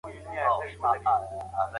د صابون جوړول د روغتیا لپاره اړین دي.